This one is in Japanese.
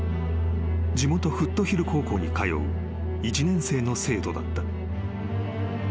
［地元フットヒル高校に通う１年生の生徒だった］